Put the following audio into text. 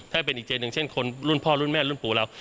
ถ้าเป็นอีกใจหนึ่งเช่นคนรุ่นพ่อรุ่นแม่รุ่นปู่เรา